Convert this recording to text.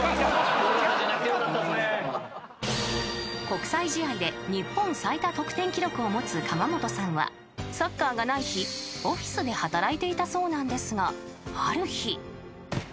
［国際試合で日本最多得点記録を持つ釜本さんはサッカーがない日オフィスで働いていたそうなんですがある日］